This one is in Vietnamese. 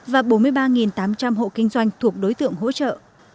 và bốn mươi ba tám trăm linh hộ kinh doanh thuộc đối tượng hỗ trợ